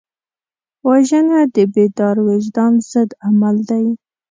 وژنه د بیدار وجدان ضد عمل دی